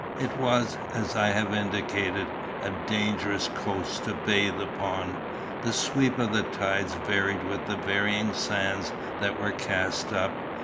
It was, as I have indicated, a dangerous coast to bathe upon. The sweep of the tides varied with the varying sands that were cast up.